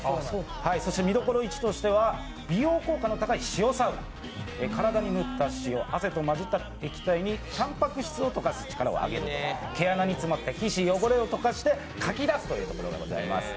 そして見どころ１としては美容効果の高い塩サウナ、体に塗った塩、汗と混じって液体にたんぱく質を溶かす力を上げる、毛穴に詰まった皮脂・汚れを溶かしてかき出す効果があります。